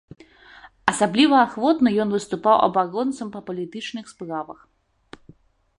Асабліва ахвотна ён выступаў абаронцам па палітычных справах.